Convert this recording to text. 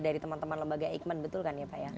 dari teman teman lembaga eijkman betul kan ya pak ya